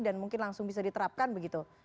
dan mungkin langsung bisa diterapkan begitu